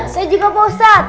saya juga pak ustadz